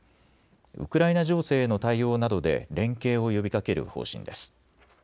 ウクライナ情勢への対応などで連携を呼びかける方針です。